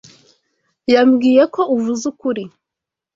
Yambwiye ko uvuze ukuri.